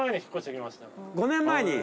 ５年前に。